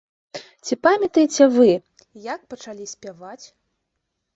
Ці памятаеце вы, як пачалі спяваць?